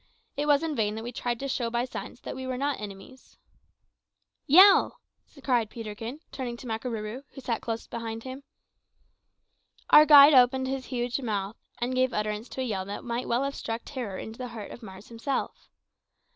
It was in vain that we tried to show by signs that we were not enemies. "Yell!" cried Peterkin, turning to Makarooroo, who sat close behind him. Our guide opened his huge mouth, and gave utterance to a yell that might well have struck terror into the heart of Mars himself.